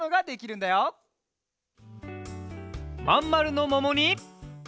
まんまるのももに！